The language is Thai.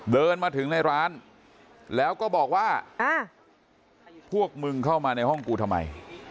เดินมาถึงในร้านแล้วก็บอกว่าพวกมึงเข้ามาในห้องกูทำไม